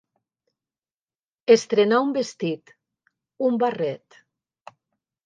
Estrenar un vestit, un barret.